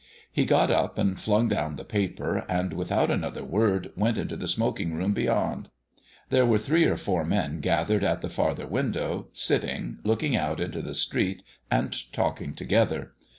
He got up and flung down the paper, and, without another word, went into the smoking room beyond. There were three or four men gathered at the farther window sitting looking out into the street and talking together.